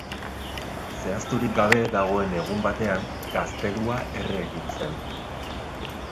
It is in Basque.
Zehazturik gabe dagoen egun batean, gaztelua erre egin zen.